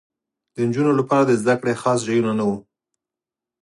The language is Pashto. د نجونو لپاره د زدکړې خاص ځایونه نه وو